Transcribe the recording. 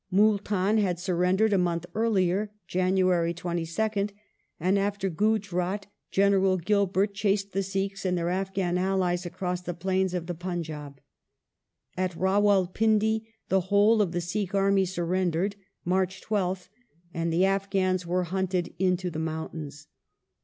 Multan had surrendered a month earlier (Jan. 22nd), and after Giijrat General Gilbert chased the Sikhs and their Afghan allies across the plains of the Punjab. At Rawal Pindi the whole of the Sikh army surrendered (March 12th), and the Afghans were hunted into the mountains.